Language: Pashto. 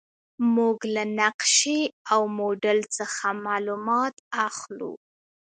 موږ له نقشې او موډل څخه معلومات اخلو.